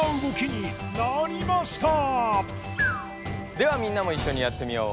ではみんなもいっしょにやってみよう！